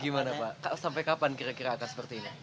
gimana pak sampai kapan kira kira akan sepertinya